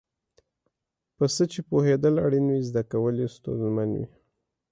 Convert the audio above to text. په څه چې پوهېدل اړین وي زده کول یې ستونزمن وي.